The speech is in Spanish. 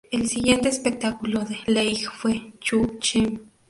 El siguiente espectáculo de Leigh fue "Chu Chem.